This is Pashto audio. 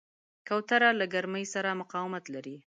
کوتره له ګرمۍ سره مقاومت لري.